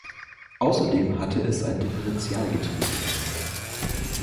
Außerdem hatte es ein Differentialgetriebe.